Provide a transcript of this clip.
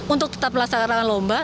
untuk tetap pelaksanaan lomba